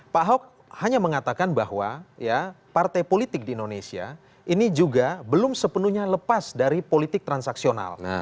pak ahok hanya mengatakan bahwa partai politik di indonesia ini juga belum sepenuhnya lepas dari politik transaksional